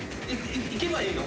いけばいいの？